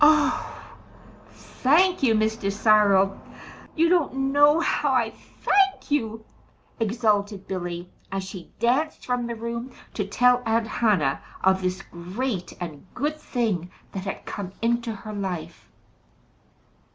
"Oh, thank you, Mr. Cyril you don't know how I thank you!" exulted Billy, as she danced from the room to tell Aunt Hannah of this great and good thing that had come into her life.